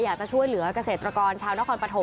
อยากจะช่วยเหลือกเกษตรกรชาวนครปฐม